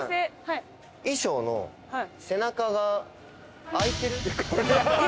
衣装の背中が開いてる。